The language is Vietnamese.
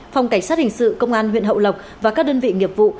phòng cảnh sát hình sự công an huyện hậu lộc và các đơn vị nghiệp vụ